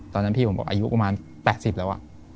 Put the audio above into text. ตอนนั้นพี่ผมบอกอายุประมาณ๘๐แล้ว